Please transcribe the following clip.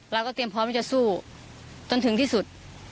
เราก็เตรียมพร้อมที่จะสู้จนถึงที่สุด